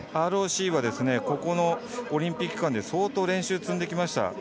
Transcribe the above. ＲＯＣはここのオリンピック間で相当、練習、積んできました。